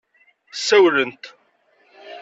Sawlent.